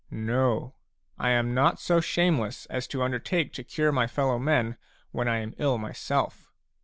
" No, I am not so shameless as to undertake to cure my fellow men when I am ill myself.